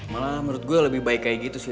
malah menurut gue lebih baik kayak gitu sih